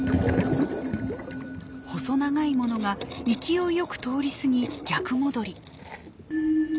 細長いものが勢いよく通り過ぎ逆戻り。